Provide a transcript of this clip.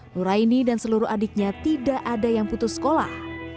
nuraini dan seluruh adiknya tidak ada yang putus sekolah